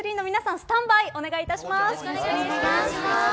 スタンバイお願いいたします。